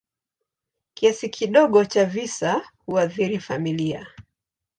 Kiasi kidogo cha visa huathiri familia.